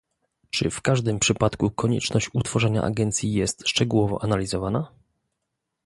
Czy w każdym przypadku konieczność utworzenia agencji jest szczegółowo analizowana?